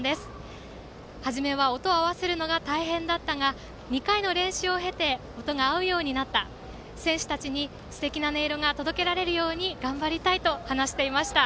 初めは音を合わせるのが大変だったが、２回の練習を経て音が合うようになった選手たちにすてきな音色が届けられるように頑張りたいと話していました。